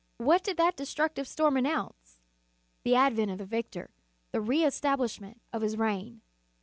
What did that destructive storm announce? The advent of the victor, the reestablishment of his reign.